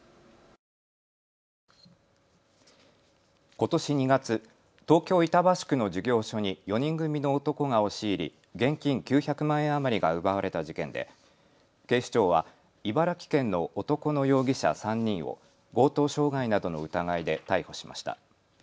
ことし２月、東京板橋区の事業所に４人組の男が押し入り現金９００万円余りが奪われた事件で警視庁は茨城県の男の容疑者３人を強盗傷害などの疑いで逮捕しました。